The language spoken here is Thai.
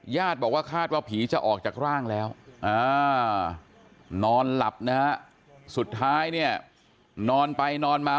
ญาติบอกว่าคาดว่าผีจะออกจากร่างแล้วนอนหลับนะฮะสุดท้ายเนี่ยนอนไปนอนมา